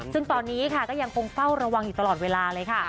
ซึ่งตอนนี้ค่ะก็ยังคงเฝ้าระวังอยู่ตลอดเวลาเลยค่ะ